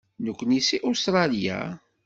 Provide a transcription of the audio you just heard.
Nekkni seg Ustṛalya.